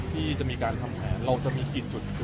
ที่จะมีการทำแผนเราจะมีกี่จุด